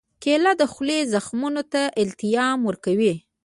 کېله د خولې زخمونو ته التیام ورکوي.